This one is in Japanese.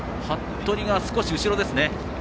服部が、少し後ろですね。